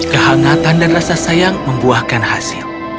kehangatan dan rasa sayang membuahkan hasil